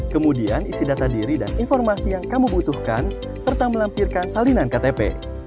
kemudian isi data diri dan informasi yang kamu butuhkan serta melampirkan salinan ktp